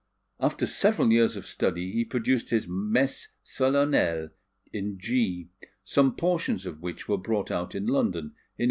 After several years of study, he produced his Messe Solennelle in G, some portions of which were brought out in London in 1851.